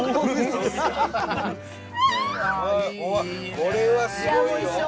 これはすごいよ。